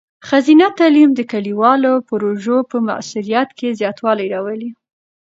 ښځینه تعلیم د کلیوالو پروژو په مؤثریت کې زیاتوالی راولي.